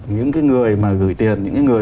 những cái người mà gửi tiền những cái người